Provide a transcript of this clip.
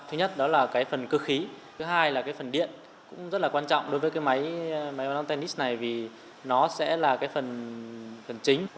thứ nhất đó là phần cơ khí thứ hai là phần điện cũng rất là quan trọng đối với máy bắn bóng tennis này vì nó sẽ là phần chính